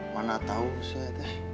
mana tau saya teh